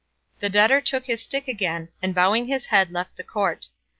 The debtor took his stick again, and bowing his head left the court.